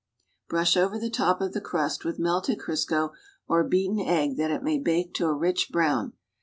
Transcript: Brush over the top of the crust with melted Crisco or beaten egg that it may bake to a rich brown.